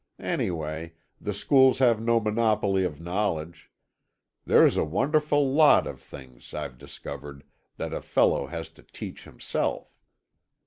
Anyway, the schools have no monopoly of knowledge; there's a wonderful lot of things, I've discovered, that a fellow has to teach himself."